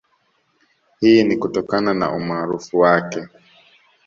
Hii ni kutokana na umaarufu wake